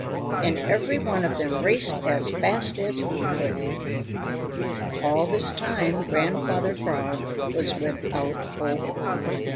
And every one of them raced as fast as he could. All this time Grandfather Frog was without hope.